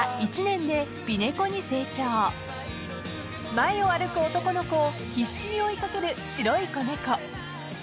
［前を歩く男の子を必死に追い掛ける白い子猫］